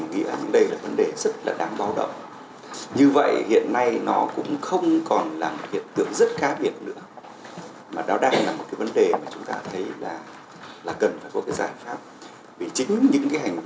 vì chính những cái hành vi này nó đang xâm lăng các cái giá trị truyền thống của chúng ta